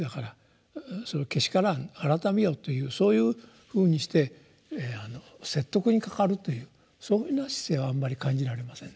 改めよ」というそういうふうにして説得にかかるというそいうふうな姿勢はあんまり感じられませんね。